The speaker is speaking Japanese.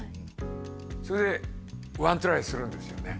それでワントライするんですよね